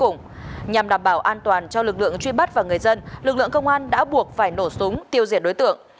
nhằm đảm bảo an toàn cho lực lượng truy bắt và người dân lực lượng công an đã buộc phải nổ súng tiêu diệt đối tượng